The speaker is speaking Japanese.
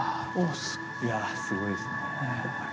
いやぁすごいですね。